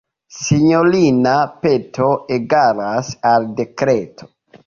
Sinjorina peto egalas al dekreto.